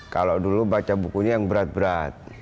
kalau dulu baca buku ini yang berat berat